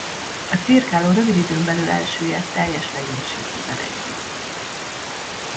A cirkáló rövid időn belül elsüllyedt teljes legénységével együtt.